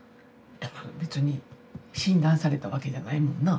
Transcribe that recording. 別に診断されたわけじゃないもんな。